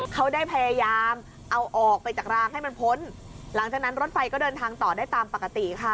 เขาได้พยายามเอาออกไปจากรางให้มันพ้นหลังจากนั้นรถไฟก็เดินทางต่อได้ตามปกติค่ะ